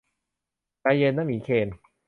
ใจเย็นนะหมีเคน